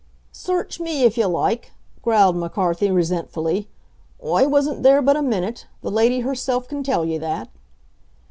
"Search me if ye loike," growled McCarthy, resentfully. "Oi wasn't there but a minute; the lady herself can tell ye that."